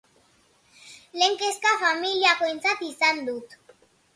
Lehen kezka familiakoentzat izan dut.